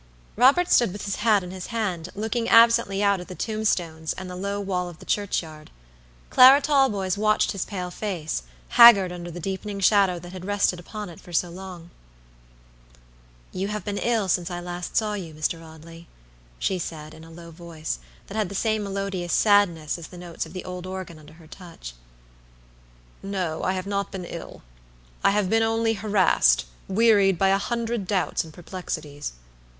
Robert stood with his hat in his hand, looking absently out at the tombstones and the low wall of the church yard. Clara Talboys watched his pale face, haggard under the deepening shadow that had rested upon it so long. "You have been ill since I saw you last, Mr. Audley," she said, in a low voice, that had the same melodious sadness as the notes of the old organ under her touch. "No, I have not been ill; I have been only harassed, wearied by a hundred doubts and perplexities."